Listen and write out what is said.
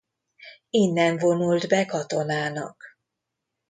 Innen vonult be katonának.